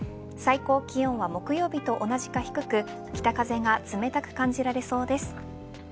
最高気温は木曜日と同じか低く